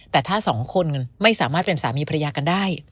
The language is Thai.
แต่ถ้าสองคนไม่สามารถเป็นสามีภรรยากันได้